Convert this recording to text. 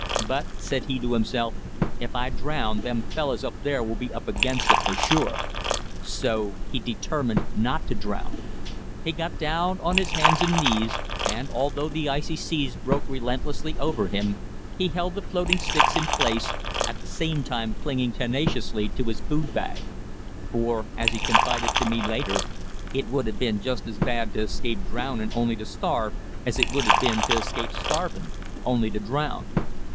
"But," said he to himself, "if I drown them fellus up there will be up against it for sure." So he determined not to drown. He got down on his hands and knees, and, although the icy seas broke relentlessly over him, he held the floating sticks in place, at the same time clinging tenaciously to his food bag; for, as he confided to me later, "it would have been just as bad to escape drownin' only to starve as it would have been to escape starvin' only to drown."